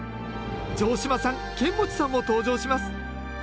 城島さん剣持さんも登場します